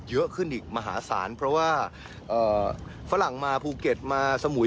เยอะขึ้นอีกมหาศาลเพราะว่าฝรั่งมาภูเก็ตมาสมุย